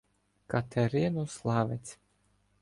Катеринославець.